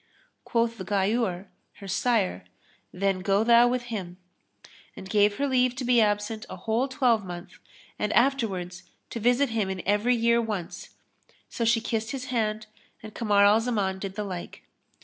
Quoth Ghayur, her sire, "Then go thou with him," and gave her leave to be absent a whole twelvemonth and afterwards to visit him in every year once; so she kissed his hand and Kamar al Zaman did the like.